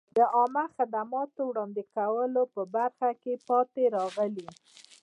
د عامه خدماتو وړاندې کولو په برخه کې پاتې راغلي.